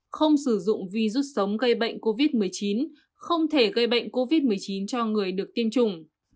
không sử dụng vi rút sống gây bệnh covid một mươi chín không thể gây bệnh covid một mươi chín cho người được tiêm chủng